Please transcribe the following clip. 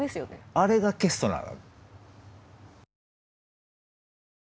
あれがケストナーなの。